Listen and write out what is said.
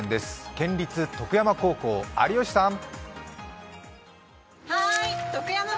県立徳山高校、有吉さん。